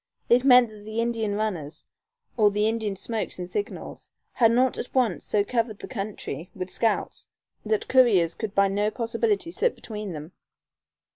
It meant that the Indian runners, or the Indian smokes and signals, had not at once so covered the country with scouts that couriers could by no possibility slip between them.